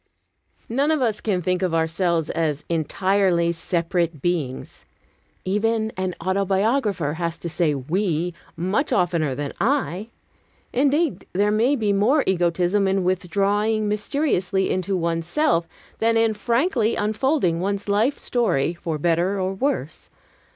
None of us can think of ourselves as entirely separate beings. Even an autobiographer has to say "we" much oftener than "I." Indeed, there may be more egotism in withdrawing mysteriously into one's self, than in frankly unfolding one's life story, for better or worse.